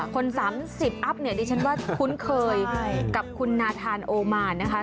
คน๓๐อัพเนี่ยดิฉันว่าคุ้นเคยกับคุณนาธานโอมานนะคะ